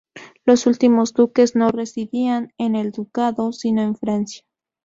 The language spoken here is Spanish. Los últimos duques no residían en el ducado, sino en Francia.